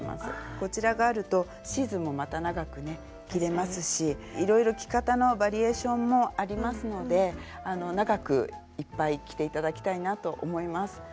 こちらがあるとシーズンもまた長くね着れますしいろいろ着方のバリエーションもありますので長くいっぱい着て頂きたいなと思います。